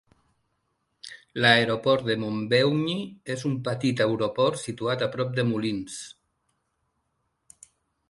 L'aeroport de Montbeugny és un petit aeroport situat a prop de Moulins.